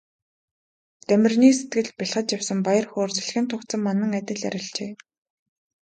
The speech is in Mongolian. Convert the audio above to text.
Дамираны сэтгэлд бялхаж явсан баяр хөөр салхинд туугдсан манан адил арилжээ.